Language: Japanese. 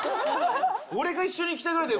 俺が一緒に行きたいぐらいだよ